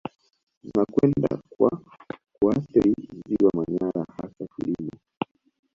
Zinakwenda kwa kuathiri ziwa Manyara hasa kilimo